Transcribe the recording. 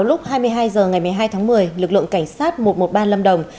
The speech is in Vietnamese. lúc hai mươi hai h ngày một mươi hai tháng một mươi lực lượng cảnh sát một trăm một mươi ba lâm đồng